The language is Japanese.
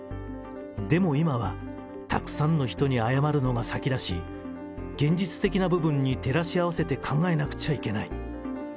でも今は、たくさんの人に謝るのが先だし、現実的な部分に照らし合わせて考えなくちゃいけない。